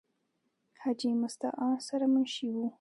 حاجې مستعان سره منشي وو ۔